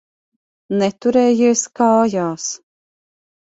Neturējies kājās.